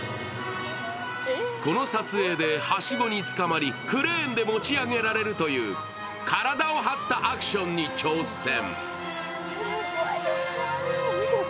この撮影で、はしごにつかまりクレーンで持ち上げられるという体を張ったアクションに挑戦。